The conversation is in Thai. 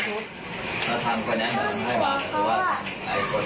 คุณคุณขอไม่ได้บอก